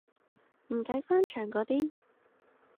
唔計翻牆嗰啲